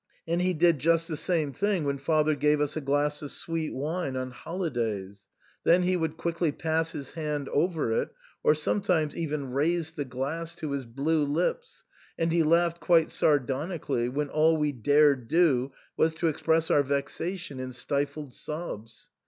And he did just the same thing when father gave us a glass of sweet wine on holidays. Then he would quickly pass his hand over it, or even sometimes raise the glass to his blue lips, and he laughed quite sardoni cally when all we dared do was to express our vexation in stifled sobs.